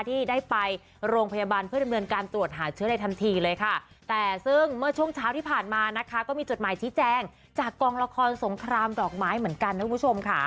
กี๊แจงจากกองละครสงครามเป๊าหมายเหมือนกันนะทุกผู้ชม